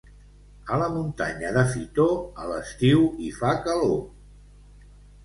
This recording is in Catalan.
A la muntanya de Fitor, a l'estiu hi fa calor.